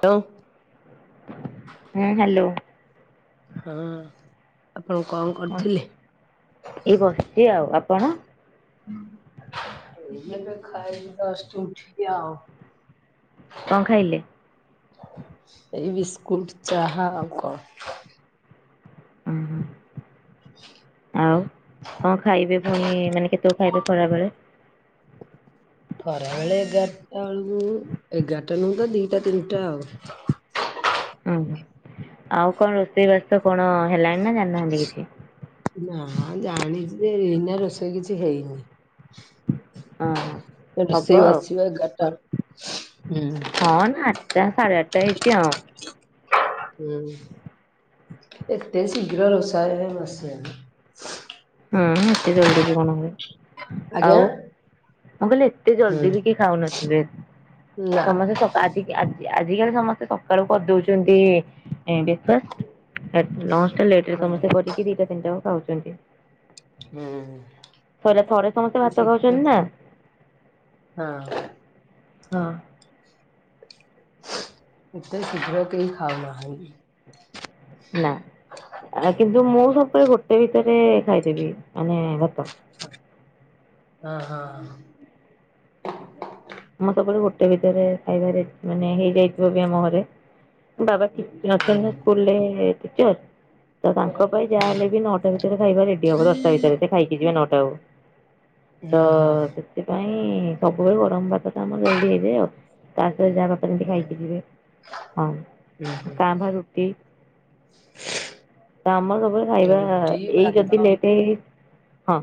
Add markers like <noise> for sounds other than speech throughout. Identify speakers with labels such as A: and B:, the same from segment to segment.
A: Hello
B: ହୁଁ hello
A: ହଁ ଆପଣ କଣ
B: କନ୍
A: କରୁଥିଲେ?
B: ଏଇ ବସିଚି ଆଉ, ଆପଣ--?
A: ଏଇ ଏବେ ଖାଇକି ଯଷ୍ଟ ଉଠିିଲି ଆଉ
B: କଁଅ ଖାଇଲେ?
A: ଏଇ ବିସ୍କୁଟ ଚାହା ଆଉ କଣ?
B: ହୁଁ, ହୁଁ। ଆଉ କଣ ଖାଇବେ ପୁଣି, ମାନେ କେତେବେଳକୁ ଖାଇବେ ଖରାବେଳେ?
A: ଖରା ବେଳେ, ଏଗାରଟା ବେଳକୁ, ଏଗାରଟା ନୁହେଁ ତ ଦିଟା ତିନିଟା ଆଉ
B: ଓ, ଆଉ କଣ ରୋଷେଇ ବାସ କଣ ହେଲାଣି ନା ଜାଣିନାହାନ୍ତି କିଛି?
A: ନା ଜାଣିଛି ଯେ -ଏହିନା ରୋଷେଇ କିଛି ହେଇନି ।
B: ହଁ, ହଁ ।
A: ରୋଷେଇ ବସିବ ଏଗାଟାରୁ, ହୁଁ।
B: ସାଢ଼େ ଆଠଟା ହେଇଛିି ଆଉ।
A: ହୁଁ, ଏତେ ଶୀଘ୍ର ରୋଷା ଘରେ ବସିବନି ।
B: ହୁଁ, ଏତେ ଜଲଦି ବି କଣ ହବ?
A: ଆଜ୍ଞା
B: ଆଉ ମୁଁ କହିଲି, ଏତେ
A: ହୁଁ
B: ଜଲଦି ବି କି ଖାଉନଥିବେ?
A: ନା।
B: ସମସ୍ତେ <unintelligible> କାଜି ଆଜି। ଆଜିକାଲି ସମସ୍ତେ ସକାଳୁ କରିଦଉଛନ୍ତି, ବିଶେଷ ଲେଟ ରେ
A: ହୁଁ
B: ସମସ୍ତେ କରିକି ଦିଟା ତିନିଟା ବେଳ କୁ ଖାଉଛନ୍ତି।
A: ହୁଁ
B: ଥରେ ଥରେ ସମସ୍ତେ ଭାତ
A: ଶୀଘ୍ର
B: ଖାଉଛନ୍ତି ନା?
A: ହଁ।
B: ହଁ।
A: ଏତେ ଶୀଘ୍ର କେହି ଖାଉ ନାହାଁନ୍ତି।
B: ନା। କିନ୍ତୁ, ମୁଁ ସବୁବେଳେ ଗୋଟେ ଭିତରେ ଖାଇଦେବି ମାନେ ଭାତ।
A: ହଁ ହଁ।
B: ମୁଁ ସବୁବେଳେ ଗୋଟେ ଭିତରେ ଖାଇବାରେ, ମାନେ ହେଇଯାଇଥିବ ବି ଆମ ଘରେ, ବାବା ଠିକ ଅଛନ୍ତି, ସ୍କୁଲରେ ଟିଚର ତ ତାଙ୍କ ତାଙ୍କ ପାଇଁ ଯାହାହଲେ ବି
A: ହୁଁ
B: ନଅଟା ଭିତରେ ଖାଇବା ରେଡି ହବ, ଦଶଟା ଭିତରେ, ସେ ଖାଇକି ଯିବେ ନଅଟା ବେଳୁ। ତ
A: ହଁ
B: ସେଥିପାଇଁ ସବୁବେଳେ ଗରମ ଭାତ ଟା ଆମର ଜଲଦି ହେଇଯାଏ ଆଉ। ଯାହା ବାରେ ଏମତି
A: ହଁ
B: ଖାଇକି ଯିବେ, ହଁ, କାଁ ଭା ରୁଟି। ତ ଆମର ସବୁ ବେଳେ ଖାଇବା,
A: ରୁଟି
B: ଏଇ
A: ଭାତ
B: ଯଦି ଲେଟ୍ ହେଇ ହଁ,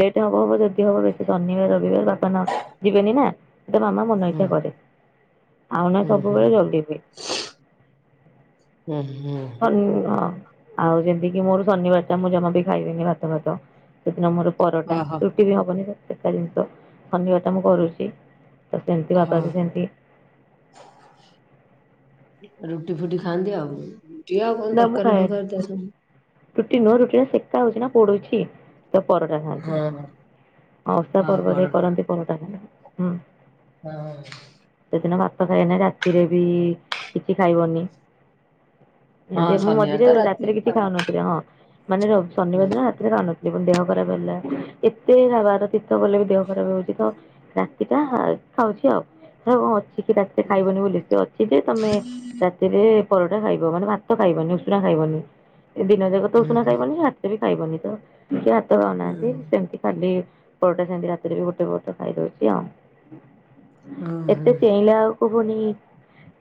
B: ଲେଟ୍ ହବ, ହବ, ଯଦି ହବ ବେଶୀ ଶନିବାର ରବିବାର ବାପା ନା ଯିବେନି ନା। ଟ ମାମା ମନ
A: ହୁଁ
B: ଇଚ୍ଛା କରେ, ଆଉ ନା ସବୁବେଳେ ଜଲଦି ହୁଏ।
A: ଉଁ ହୁଁ ।
B: ହଁ ଆଉ, ଯେମିତି କିି ମୋର ଶନିବାର ଟା, ମୁଁ ଜମା ବି ଖାଇବନି ଭାତ ଫାତ। ସେଦିନ ମୋର ପରଟା,
A: ଓହୋ
B: ରୁଟି ବି ହବନି, ସେକା ଜିନିଷ, ଶନିବାର ଟା ମୁଁ କରୁଛି। ତ ସେମିତି ବାପା
A: ହଁ
B: ବି ସେମତି
A: ରୁଟି ଫୁଟି ଖାଆନ୍ତି ଆଉ, ରୁଟି ଆଉ କଣ
B: ନା ମୁଁ
A: ତରକାରୀ
B: ଖାଏନି
A: ଫରକାରୀ ତ ସହିତ।
B: ରୁଟି ନୁହଁ, ରୁଟିରା ସେକା ହଉଛି ନା ପୋଡୁଛି। ତ ପରଟା ଖାଆନ୍ତି,
A: ହଁ
B: ଅଷା
A: ହଁ
B: ପର୍ବରେ
A: ପରଟା
B: କରନ୍ତି ପରଟା ଖାନ୍ତି, ହୁଁ।
A: ହଁ ହ।
B: ଦିନ ଭାତ ଖାଇନି, ରାତିରେ ବି କିଛି ଖାଇବନି।
A: ହଁ
B: ଏ ମୁଁ
A: ଶନିବାର
B: ମଝିରେ
A: ତ ରାତି
B: ରାତିରେ କିଛି
A: ଖାଆନ୍ତି।
B: ଖାଉନଥିଲି, ହଁ, ମାନେ
A: ହୁଁ
B: ଶନିବାର ଦିନ ରାତିରେ ଖାଉନଥିଲି ମ ଦେହ ଖରାପ ହେଲା, ଏତେ ବାର ତୀର୍ଥ ଗଲେ ବି ଦେହ ଖରାପ ହଉଛି ତ, ରାତିଟା ଖାଉଛି ଆଉ। କଣ ଅଛି କି ରାତିରେ ଖାଇବନି ବୋଲି, ସେ ଅଛି ଯେ ତମେ ରାତିରେ ପରଟା ଖାଇବ। ମାନେ ତ ଖାଇବନି, ଉଷୁନା ଖାଇବନି, ଏ ଦିନ ଯାକ ତ ଉଷୁନା
A: ହୁଁ ହୁଁ
B: ଖାଇବନି, ରାତିରେ ଖାଇବନି, ତ ସେ ହାତ
A: ହୁଁ
B: ନଉନାହାନ୍ତି, ସେମିତି ଖାଲି। ପରଟା ଖାନ୍ତି, ରାତିରେ ବି ଗୋଟେ ପରଟା ଖାଇଦଉଛି ଆଉ,
A: ହୁଁ
B: ଏତେ
A: ହୁଁ
B: ଚେଇଁଲେ ଆଉ ଶୁଭୁନି,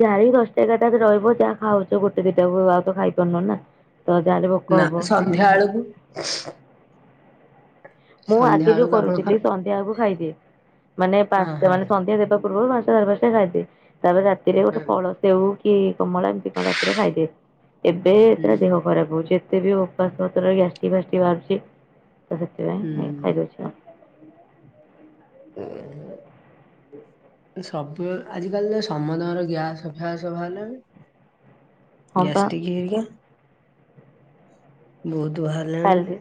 B: ଚାରି ଦଶଟା ଏଗାରଟା ରେ ରହିବ ଯାହା ଖାଉଛ ଗୋଟେ ଦିନ ଆଉ ତ ଖାଇ ପାରୁନୁ ନା। ଯାହାହେଲେ ଭୋକ
A: ନା
B: ହବ
A: ସନ୍ଧ୍ୟା ଆଳକୁ
B: ମୁଁ ଆଗେ ଯୋଉ
A: ଆପଣ
B: କରୁଥିଲି,
A: ଖାଆନ୍ତି
B: ସନ୍ଧ୍ୟା ଆକୁ ଖାଇଦିଏ। ମାନେ
A: ହଁ
B: ପାଞ୍ଚଟା
A: ହଁ
B: ମାନେ, ସନ୍ଧ୍ୟା ଦେବା ପୂର୍ବରୁ ପାଞ୍ଚଟା ସାଢେ ପାଞ୍ଚଟା ଖାଇଦିଏ, ତାପରେ ରାତିରେ ଗୋଟେ ଫଳ ସେଉ କି କମଳା, ଏମିତି କଣ ରାତିରେ ଖାଇଦିଏ, ଏବେ
A: ହଁ
B: ତା ଦେହ
A: ହୁଁ
B: ଖରାପ ହଉଛି। ଏତେବି ଉପାସ ମତ ଗ୍ୟାଷ୍ଟଟି ଫ୍ୟାଷ୍ଟଟି ବାହାରୁଛି।
A: ହୁଁ।
B: ହୁଁ। <unintelligible>
A: ହୁ ହ। <unintelligible>
B: ହୁଁ। <inaudible>
A: ସବୁ ଆଜିିକାଲି ତ ସମଧର ଗ୍ୟାସ ଫ୍ୟାସ ବାହାରିଲାଣି।
B: ହଁ ପା
A: ଗ୍ୟାସଟିକ୍ ହେଇକା ବୋହୁତ
B: କାଲବେ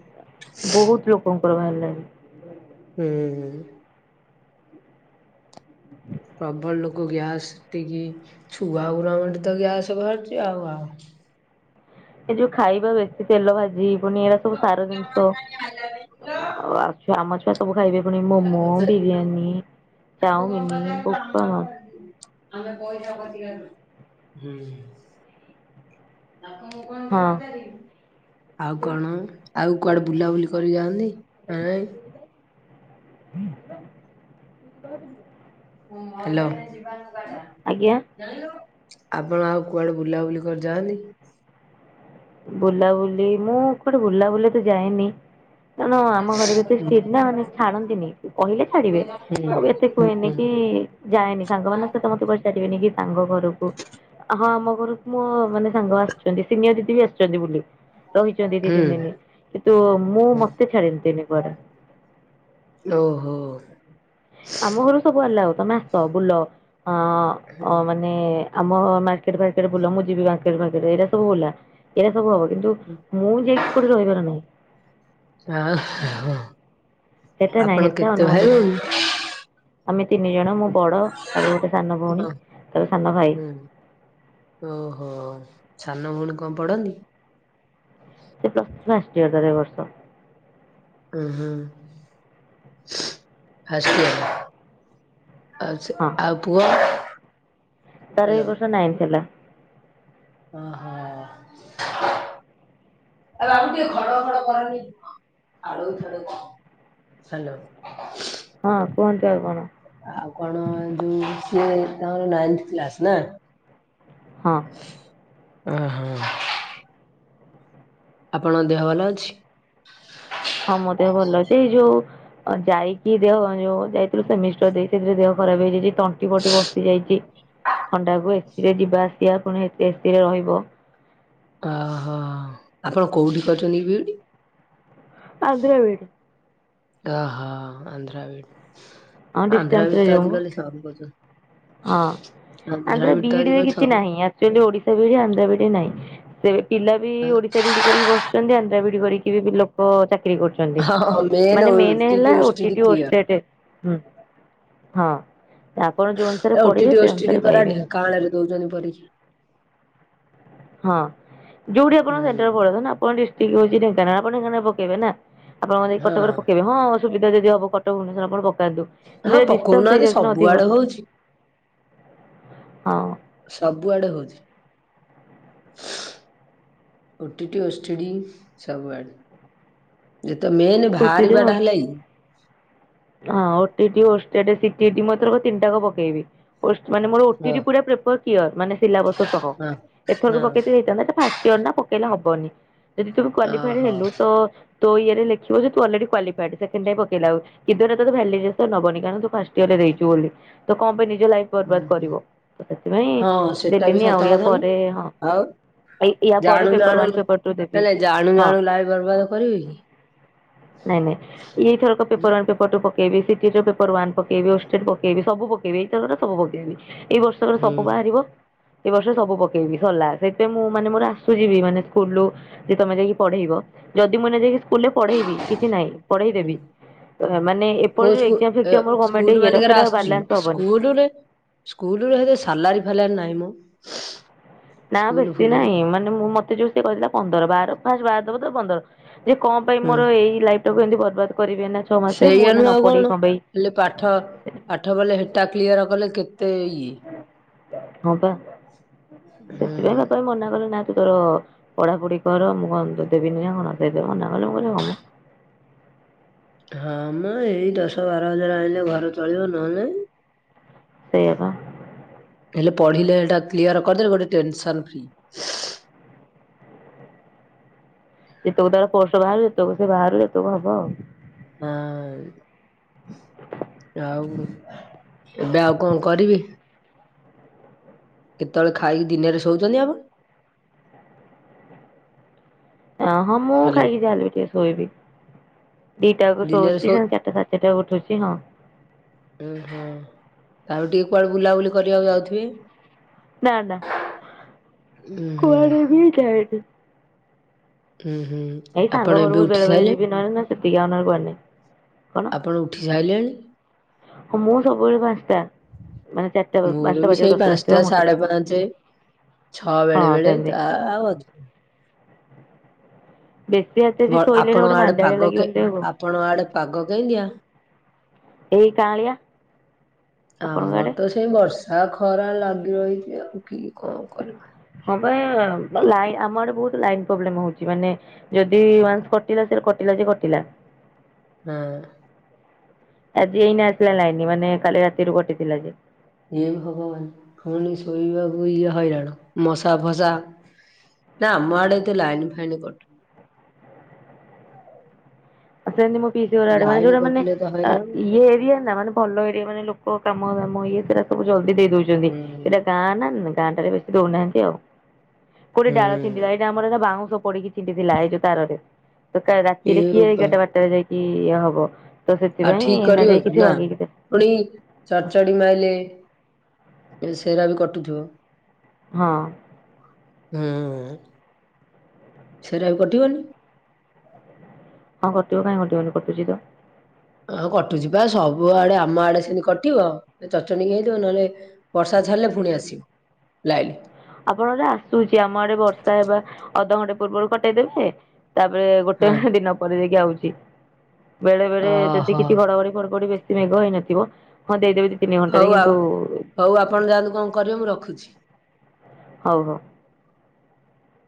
B: ବୋହୁତ ଲୋକଙ୍କର ଭାରଲାଣି।
A: ହୁଁ ହୁଁ। ପ୍ରବଳ ଲୋକ ଗ୍ୟାସଟିକି ଛୁଆ ଉରାଙ୍କଠି ତ ଗ୍ୟାସ୍ ବାହାରଚି ଆଉ ଆଉ। ହ
B: ଏ ଯୋଉ ଖାଇବା ବେଶୀ ତେଲ ଭା ଜି ପୁଣି ଏରା ସବୁ ସାର ଜିନିଷ ଆ ଆଉ ଛୁଆ ଆମ ଛୁ ସବୁ ଖାଇବେ ପୁଣି ମୋମୋ ବିରିୟାନୀ।
A: ତାକୁ କଁ
B: ଚାଉମିନି
A: ପଚାରେ
B: ବୋପା
A: ତମର
B: ମା
A: କରନ୍ତି କି ଆମେ ପଇସା ପଚିକା <unintelligible> ହୁଁ। ତାକୁ ମୁଁ କଣ୍ଟେ
B: ହଁ
A: ପଚାରିବି? ଆଉ କଣ ଆଉ କୁଆଡ଼େ ବୁଲାବୁଲି କରି ଯାଆନ୍ତି ନାଁ ନାଇଁ?
B: ବେ ଉତ୍କଳ <unintelligible>
A: ହେଲୋ।
B: ଆଜ୍ଞା।
A: ଆପଣ ଆଉ କୁଆଡ଼େ ବୁଲାବୁଲି କରି ଯାଆନ୍ତି?
B: ବୁଲାବୁଲି ମୁଁ କୁଆଡ଼େ ବୁଲାବୁଲି ଏତେ ଯାଏନି। ଜାନ ଆମ ଘରେ ବି ଏତେ
A: ହୁଁ।
B: ଷ୍ଟିଟ୍ ନାଁ ମାନେ ଛାଡ଼ନ୍ତିନି କହିଲେ
A: ହୁଁ
B: ଛାଡ଼ିବେ
A: ହୁଁ
B: ମୁଁ ବି ଏତେ କୁହେନି କି ଇ ଯାଏନି ସାଙ୍ଗମାନଙ୍କ ସହିତ ମତେ କୁଆଡ଼େ ଛାଡ଼ିବେନି ଗି ସାଙ୍ଗ ଘରୁକୁ ହଁ ଆମ ଘରୁକୁ ମୋ ମାନେ ସାଙ୍ଗ ଆସୁଚନ୍ତି ସିନିୟର୍ ଦିଦି ବି ଆସଚନ୍ତି ବୁଲି‌। ରହିଚନ୍ତି ଦି ତିନି ଦିନ କିନ୍ତୁ ମୁଁ ମତେ ଛାଡ଼େନ୍ତିନି କୁଆଡ଼େ।
A: ନୋ
B: ଆମ ଘରୁକୁ ସବୁ ଆଲାଉ। ତମେ ଆସ ବୁଲ ଅ ଅ ମାନେ ଆମ ମାର୍କେଟ୍ ଫାର୍କେଟ୍ ବୁଲ ମୁଁ ଯିବି ମାର୍କେଟ୍ ଫାର୍କେଟ୍ ଏରା ସବୁ ବୁଲା ଏରା ସବୁ ହବ କିନ୍ତୁ ମୁଁ ଯାଇକି କୋଉଠି ରହିବାର ନାହିଁ।
A: ଅ ହଁ
B: ହେଟା ନାହିଁ
A: ଆପଣ
B: ହେଟା
A: କେତେ
B: ଅନୁମତି
A: ଭାଇ?
B: ନାହିଁ ଆମେ ତିନି ଜଣ ମୁ ବଡ଼ ତାପରେ ଗୋଟେ ସାନ ଭଉଣୀ ତାପରେ ସାନ ଭାଇ।
A: ହୁଁ ଓହୋ ସାନ ଭୋଉଣୀ କଣ ପଢ଼ନ୍ତି?
B: ସେ ପ୍ଲସ୍ ଟୁ ଫାଷ୍ଟ୍ ଇଅର ତାର ଏ ବର୍ଷ।
A: ଉଁ ହୁଁ ଫାଷ୍ଟ୍ ଇଅର୍। ଆଉ ସେ
B: ହଁ
A: ଆଉ ପୁଅ?
B: ତାର ଏଇ ବର୍ଷ ନାଇନ୍ଥ୍ ହେଲା।
A: ଅହ। ଆ ବାବୁ ଟିଏ ଖଡ଼ଘଡ଼ କରନି <unintelligible> ଖାଡ଼ଉ ଖାଡ଼ଉ <inaudible> ହାଲୋ।
B: ହଁ କୁହନ୍ତୁ ଆଉ କଣ।
A: ଆଉ କଣ ଯୋଉ ସିଏ ତାଙ୍କର ନାଇନ୍ଥ୍ କ୍ଲାସ୍ ନାଁ?
B: ହଁ।
A: ଅହଁ। ଆପଣ ଦେହ ଭଲ ଅଛି?
B: ହଁ ମୋ ଦେହ ଭଲ ଅଛି ଏ ଯୋଉ ଅ ଯାଇକି ଦେହ ଯୋଉ ଯାଇଥିଲୁ ସେମିଷ୍ଟର୍ ଦେଇ ସେଥିରେ ଦେହ ଖରାପ ହେଇଯାଇଚି ତଣ୍ଟି ଫଣ୍ଟି ବସି ଯାଇଚି। ଥଣ୍ଡାକୁ ଏ ସି ରେ ଯିବା ଆସିଆ ପୁଣି ହେତି ଏ ସି ରେ ରହିବ।
A: ଅହ ଆପଣ କୋଉଠି କରିଚନ୍ତି ବିଇଡ଼ି?
B: ଆନ୍ଧ୍ରା ବିଏଡ଼୍।
A: ଅହ ଆନ୍ଧ୍ରା ବିଡ଼ି।
B: ହଁ ଡିଷ୍ଟାନ୍ସ୍ ରେ ଯୋଉ ମ
A: କରୁଛନ୍ତି।
B: ହଁ। ଆନ୍ଧ୍ରା
A: ବିଇଡି ତ
B: ବିଡି଼ରେ
A: ଆଜିକାଲି
B: କିଛି
A: ସବୁ
B: ନାହିଁ ଆକ୍ଚୁଆଲି ଓଡ଼ିଶା ବିଡ଼ି ଆନ୍ଧ୍ର ବିଡ଼ି ନାହିଁ। ସେ ପିଲା ବି ଓଡ଼ିଶା ବିଡ଼ି କରିକି ବସୁଚନ୍ତି ଆନ୍ଧ୍ରା ବିଡ଼ି କରିକି ବି ଲୋକ ଚା ବିକ୍ରି କରୁଛନ୍ତି
A: ହଁ ମେନ୍
B: ମାନେ ମେନେ
A: ଓଟିଟି
B: ହେଲା
A: ଓଷ୍ଟିଟି
B: ଓଟିଟି
A: କ୍ଲିୟର।
B: ଓଷ୍ଟେଡେ। ହୁଁ, ହଁ। ତ ଆପଣ ଯୋଉ ଅନୁସାରେ
A: ଏ
B: ପଢ଼ିବେ
A: ଓଟିଟି
B: ସେ
A: ଓଷ୍ଟିଟି
B: ଅନୁସାରେ
A: ପରା
B: ପାଇବେ।
A: ଢେଙ୍କାନାଳରେ ଦଉଛନ୍ତି ପରୀକ୍ଷା।
B: ହଁ ଯୋଉଠି ଆପଣ ସେଣ୍ଟର
A: ହୁଁ
B: ପଡିବ ନା ।ଆପଣ ଡିଷ୍ଟ୍ରିକ ହଉଚି ଢେଙ୍କାନାଳ ଆପଣ ଢେଙ୍କାନାଳ ପକେଇବେ ନା। ଆପଣଙ୍କର ଯଦି
A: ହଁ
B: କଟକରେ ପକେଇବେ ହଁ ସୁବିଧା ଯଦି ହବ କଟକ ଭୁବନେଶ୍ୱର ଆପଣ ପକାନ୍ତୁ।
A: ହଁ
B: କିନ୍ତୁ ଡିଷ୍ଟାନ୍ସ
A: ପକଉନାହାନ୍ତି
B: ହେଇଯାଉଛି ନା
A: ସବୁ
B: ଅଧିକ
A: ଆଡ଼େ
B: ବାଟ
A: ହଉଛି । ସବୁଆଡେ ହଉଛି। ଓ ଟି ଟି, ଓଷ୍ଟେଡି ସବୁ ଆଡେ। ଯେ ତ ମେନ୍ ବାହାରିବା ଟା ହେଲା
B: ହଁ
A: ଇ।
B: ଓ ଟି ଟି, ଓ ଷ୍ଟେଡ, ସିଟିଇଟି ମୁଁ ଏଥର ତିନିଟା ଯାକ ପକେଇବି। ୱେଶ ମାନେ ମୋର ଓ ଟି ଟି
A: ଓହୋ।
B: ପୁରା ପେପର୍ କ୍ଲିୟର୍। ମାନେ ସିଲାବସ ସହ,
A: ହଁ
B: ଏଥରକୁ ପକେଇ
A: ହଁ
B: ଥିଲେ ହେଇଥାନ୍ତା । ଏଟା ଫାଷ୍ ସିଅର୍ ନା ପକେଇଲେ ହବନି। ଯଦି ତୁମେ କ୍ୱାଲିଫାଏଡ଼
A: ଓହୋ
B: ହେଲୁ ତ ତୋ ଇଏରେ ଲେ <unintelligible> ତୁ ଅଲରେଡି କ୍ୱାଲିଫାଏଡ୍। ସେକେଣ୍ଡ ଟାଇମ୍ ପକେଇଲା ଆଉ କିନ୍ତୁ ଏଟା ତୋତେ ଭେଲିଡେସନ୍ ନବନି। କାରଣ ତୁ ଫାଷ୍ଟ ଇୟର୍ ରେ ଦେଇଚୁ <unintelligible> ତ କଣ ପାଇଁ ନେ ନିଜ ଲାଇଫ୍ ବର୍ବାଦ
A: ହୁଁ ହୁଁ
B: କରିବ । ତ ସେଥିପାଇଁ
A: ହଁ ସେଟା ବି
B: ଦେଲିନି
A: ସତ
B: ଆଉ। ୟା
A: କଥା ନୁହଁ।
B: ପରେ ହଁ
A: ଆଉ
B: ଏଇ ୟା ପରେ
A: ଜାଣୁ
B: ପେପର
A: ଜାଣୁ
B: ୱାନ୍ ପେପର୍ ଟୁ ଦେବି।
A: ନାଇଁ ନାଇଁ ଜାଣୁ
B: ହଁ
A: ଜାଣୁ ଲାଇଫ୍ ବର୍ବାଦ କରିବେ କି?
B: ନାଇଁ ନାଇଁ ଏଇଥରକ ପେପର୍ ୱାନ୍ ପେପର୍ ଟୁ ପ କେ ବି ଶିକିଚ ପେପର୍ ୱାନ୍ ପକେଇବ। ଓଷ୍ଟେଡ ପକେଇବି ସବୁ ପକେଇବି। ଏଇ ଥର ଟା ସବୁ ପକେଇବି। ଏଇ ବର୍ଷରେ
A: ହୁଁ
B: ସବୁ ବାହାରିବ। ଏ ବର୍ଷ ସବୁ ପକେଇବି ସରିଲା। ସେଇଥିପାଇଁ ମୁଁ ମାନେ ମୋର ଆସୁଚି ବି ମାନେ ସ୍କୁଲ୍ ରୁୁ ଯେ ତୋମେ ଯାଇକି ପଢେଇ ବ-ଯଦି ମୁଁ ଏଇନା ଯାଇକି ସ୍କୁଲ୍ ରେ ପଢେଇବି କିଛି ନାହିଁ ପଢେଇ
A: ହୁଁ
B: ଦେବି। ଅ, ମାନେ
A: କୋଉ
B: ଏପଟ ଯୋଉ
A: ସ୍କୁ
B: ଏକ୍ଜାମ୍
A: ଏ
B: ଫେକ୍ଜାମ୍
A: ସ୍କୁଲ
B: ଗମେଣ୍ଟ ଇଏର ସେଟା ବାଲାନ୍ସ ହବନି।
A: ସ୍କୁଲ୍ ର ସେତେ ସାଲାରୀ ଫାଲାରୀ ନାହିଁ ମୋ।
B: ନା ବେଶୀ ନାହିଁ ମାନେ ମୁଁ ମୋତେ ଯୋଉ ସେ କହିଥିଲା ପନ୍ଦର ବାର ଫାଷ୍ଟ ବାର ଦବ ତା ପରେ ପନ୍ଦର। ଯେ କଣ ପାଇଁ
A: ହୁଁ।
B: ମୋର ଏଇ ଲାଇଫ୍ ଟାକୁ ଏମିତି ବର୍ବାଦ କରିବି ଏଇନା ଛଅ ମାସେ ମୁଁ
A: ସେଇଆ
B: ଏଇନା ନ
A: ନୁହେଁ ଆଉ
B: ପଢ଼ିକି
A: କଣ
B: ପାଇଁ
A: ହେଲା ପାଠ ପାଠ ବଲେ ହେ ଟା କ୍ଲିୟର୍ କଲେ କେତେ ଇଏ।
B: ହଁ ପା
A: ହୁଁ
B: ସେଥିପାଇଁ ବାପା ମନା କଲେ ନା ତୁ ତୋର ପଢାପଢି କର ମୁଁ କଣ ତୋତେ ଦେବିନି ନା କଣ ସିଏ ତ ମନା କଲେ ମୁଁ କହିଲି ହଁ ମୋ।
A: <inaudible> ହଁ ମୋ ଏଇ ଦଶ ବାର ହଜାର ଆଣିଲେ ଘର ଚଳିବ ନହେଲେ ନାହିଁ।
B: ସେଇଆ ପା।
A: ଏ ପଢିଲେ ସେଟା କ୍ଲିୟର୍ କରିଦେଲେ ଗୋଟେ ଟେନସନ ଫ୍ରୀ।
B: ଯେତକ ତାର ପୋଷ୍ଟ ବାହାରେ ତବ ସେ ବାହାରିଲେ ଏତକ ହବ ଆଉ।
A: ହଁ। ଆଉ ଏବେ ଆଉ କଣ କରିବି? କେତେବେଳେ ଖାଇକି ଦିନରେ ଶୋଉଚନ୍ତି ଆପଣ?
B: ଅ, ହଁ ମୁଁ
A: ହ୍ୟାଲୋ
B: ଖାଇକି ଯାହା ହେଲେ ବି ଟିକେ ଶୋଇବି। ଦିଟା ବେଳକୁ
A: ଦିନରେ
B: ଶୋଉଚି
A: ଶୋ
B: ସାଢ ଚାରଟା ସାଢ଼େ ଚାରଟା ଉଠୁଚି ହଁ।
A: ଉଁ, ହଁ ତାପରେ ଟିକେ କୁଆଡ଼େ ବୁଲାବୁଲି କରିବାକୁ ଯାଉଥିବେ?
B: ନା ନା
A: ଉୁଁ ହୁଁ
B: କୁଆଡ଼େ ବି ଯାଏନି ।
A: ଉୁଁ ହୁଁ
B: ଏଇ
A: ଆପଣ
B: ସାଙ୍ଗ
A: ଏବେ
B: ଘରକୁ
A: ଉଠି
B: ବେଳେ ବେଳେ
A: ସାଇଲେ
B: ଯିବି ନହେଲେ ନା ସେତିକି ଆଉ ନ ହେଲେ କୁଆଡ଼େ ନାହିଁ। କ'ଣ
A: ଆପଣ ଉଠି ସାଇଲେଣି?
B: ହଁ ମୁଁ ସବୁବେଳେ ପାନ୍ସ ଟା।
A: ମୋର ବି ସେଇ ପାନ୍ସ ଟା
B: ଉଠିବି
A: ସାଢେ ପାଞ୍ଚେ। ଛଅ ବେଳେ
B: ହଁ
A: ବେଳେ
B: ସେମିତି
A: ଆ, ଆଉ ଅଧି
B: ବେଶୀ ରାତିରେ ବି ଶୋଇଲେ ନା
A: ବ-ଆପଣଙ୍କ
B: ଗୋଟେ
A: ଆଡ଼େ
B: ମାନ୍ଦାଳିଆ
A: ପାଗ
B: ଲାଗିବନି ଦେହକୁ
A: କେ-ଆପଣଙ୍କ ଆଡ଼େ ପାଗ କେମିତିିଆ?
B: ଏଇ କାଆଁଳିଆ। ଆପଣଙ୍କ
A: ଆମର
B: ଆଡେ?
A: ତ ସେଇ ବର୍ଷା ଖରା ଲାଗି ରହିଚି ଆଉ କି କଣ କରିବା।
B: ହଁ ପା ବୋ ଲାଇ, ଆମ ଆଡେ ବହୁତ ଲାଇନ୍ ପ୍ରୋବ୍ଲେମ୍ ହଉଚି ମାନେ ଯଦି ୱାନ୍ସ କଟିଲା ସେ କଟିଲା ଯେ କଟିଲା
A: ହଁ।
B: ଆଜି ଏଇନେ ଆସିଲା ଲାଇନ ମାନେ କାଲି ରାତିରୁ କଟିଥିଲା ଯେ।
A: ଏଇ ଭଗବାନ ଫୁଣି ଶୋଇବାକୁ ଇଏ ହଇରାଣ ମଶା ଫସା। ନାଁ ଆମ ଆଡେ ତ ଲାଇନ୍ ଫାଇନ୍ କଟିନି।
B: ଆପର ନିମ ଫିଚର୍ ଆଡଭାନସ୍
A: ଲାଇନ
B: ଯୋଉଟା ମାନେ
A: କଟିଲେ ତ
B: ଆ
A: ହଇରାଣ
B: ଇଏ ଏରିଆ ନା ମାନେ ଭଲ ଏରିଆ ମାନେ ଲୋକ କାମ ଦାମ ଇଏ। ସେଇଟା ସବୁ ଜଲଦି ଦେଇ ଦଉଚନ୍ତି।
A: ହୁଁ
B: ଏଇଟା ଗାଁ ନା ଗାଁ ଟାରେ ବେଶୀ ଦଉନାହାନ୍ତି ଆଉ। କୋଉଠେ ଡାଳ
A: ହୁଁ
B: ଛିଣ୍ଡିଲା ଏଇଟା ଆମର ନା ବାଉଁଶ ପଡିକି ଛିଣ୍ଡି ଥିଲା ଏଇ ଯୋଉ ତାରରେ। ତ କାଲ୍
A: ଏ
B: ରାତିରେ କିଏ ଏଗାରଟା ବାରଟାରେ ଯାଇକି ଇଏ ହବ। ତ
A: ଆଉ
B: ସେଥିପାଇଁ
A: ଠିକ
B: ଏଇନା ଯାଇକି
A: କରିବକି
B: ସେ
A: ନା
B: ବାଗେଇକି ଦେ
A: ପୁଣି ଏଇ ଚଡ଼ଚଡି ମାଇଲେ ଏବେ ସେରା ବି କଟୁଥିବ।
B: ହଁ।
A: ହୁଁ ସେଟା ବି କଟିବନି।
B: ହଁ କଟିବ ନା କଟିବନି କଟୁଚି ତ?
A: ହଁ କଟୁଚି ବା ସବୁ ଆଡେ ଆମ ଆଡେ ସେମତି କଟିବ ଯଦି ଚଚଣ୍ଡିଙ୍ଗ୍ ହେଇଥିବ ନହେଲେ ବର୍ଷା ସଝାଲେ ପୁଣି ଆସିବ ଲାଇନ୍।
B: ଆପଣଟେ ଆସୁଚି ଆମ ଆଡେ ବର୍ଷା ହେବା ଅଧଘଣ୍ଟେ ପୂର୍ବରୁ କଟେଇଦେବେ। ତାପରେ ଗୋଟେ
A: ହଁ
B: ହାଣ୍ଡି ନପରେ ଯାଇକି ଆଉଚି ବେଳେ ବେଳେ ଯଦି
A: ଓହୋ
B: କିଛି ଘଡଘଡି ଫଡଘଡି ବେଶ୍ ମେଘ ହେଇନଥିବ ହଁ ଦେଇଦେବି।
A: ହଉ ଆଉ ହଉ ଆପଣ ଯାଆନ୍ତୁ କଣ କରିବେ ମୁଁ ରଖୁଛି।
B: ହଉ ହଉ।